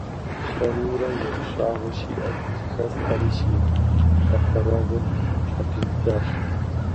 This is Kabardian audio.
Къарурэ ерыщагъыу сиӏэр зэхэслъхьэри, си хьэрхуэрэгъур щхьэпрыздзащ.